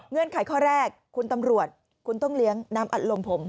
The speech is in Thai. ไขข้อแรกคุณตำรวจคุณต้องเลี้ยงน้ำอัดลมผม